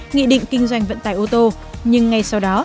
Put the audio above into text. nghị định kinh doanh vận tải ô tô nhưng ngay sau đó